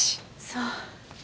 そう。